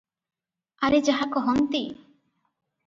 ଆରେ ଯାହା କହନ୍ତି -